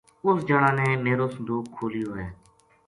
اس جنا نے میرو صندوق کھولیو ہے